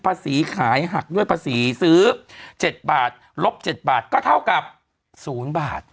ภาษีขายหักด้วยภาษีซื้อ๗บาทลบ๗บาทก็เท่ากับ๐บาท